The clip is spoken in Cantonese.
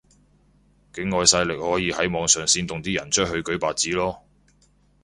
境外勢力可以喺網上煽動啲人出去舉白紙囉